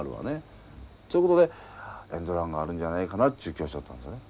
ということでエンドランがあるんじゃないかなっちゅう気はしよったんですよね。